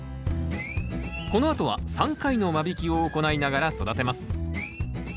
このあとは３回の間引きを行いながら育てます。